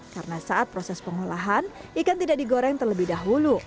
karena saat proses pengolahan ikan tidak digoreng terlebih dahulu